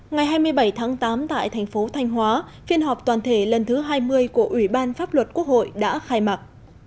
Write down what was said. ngày hai mươi bảy tháng tám tại thành phố thanh hóa phiên họp toàn thể lần thứ hai mươi của ủy ban pháp luật quốc hội đã khai mạc